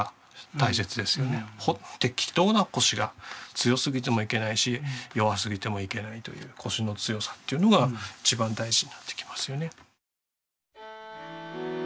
強すぎてもいけないし弱すぎてもいけないというコシの強さというのが一番大事になってきますよね。